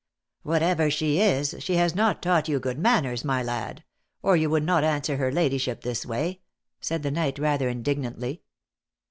" "Whatever she is, she has not taught you good manners, my lad, or you would not answer her ladyship this way," said the knight rather indignantly.